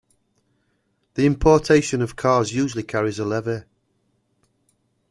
The importation of cars usually carries a levy.